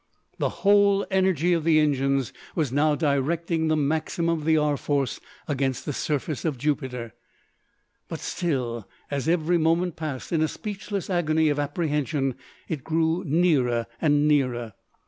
The whole energy of the engines was now directing the maximum of the R. Force against the surface of Jupiter, but still, as every moment passed in a speechless agony of apprehension, it grew nearer and nearer.